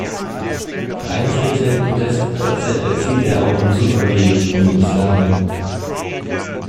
Vereinzelte Podestplätze erzielte er auch im Super-G und im Slalom.